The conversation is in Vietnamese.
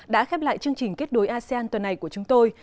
đã khép lại chương trình kết nối asean tuần này của chúng tôi